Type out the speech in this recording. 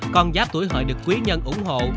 con giáp tuổi hợi được quý nhân ủng hộ